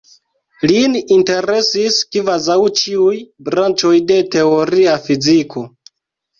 Lin interesis kvazaŭ ĉiuj branĉoj de teoria fiziko.